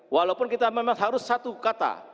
walaupun kita memang harus satu kata